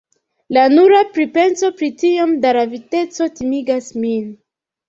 La nura pripenso pri tiom da raviteco timigas min.